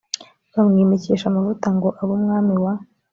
bamwimikisha amavuta ngo abe umwami wa